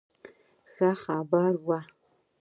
خبر ښه وو